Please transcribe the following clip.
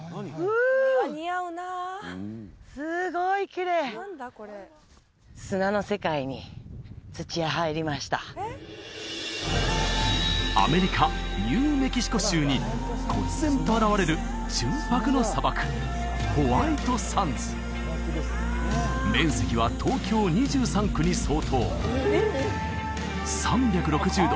すごいきれいアメリカニューメキシコ州にこつ然と現れる純白の砂漠ホワイトサンズ３６０度